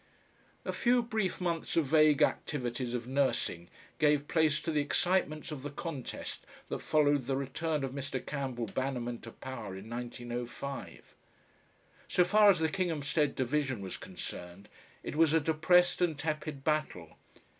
A few brief months of vague activities of "nursing" gave place to the excitements of the contest that followed the return of Mr. Camphell Bannerman to power in 1905. So far as the Kinghamstead Division was concerned it was a depressed and tepid battle.